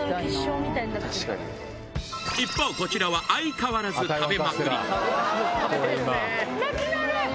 一方こちらは相変わらず食べまくりなくなる！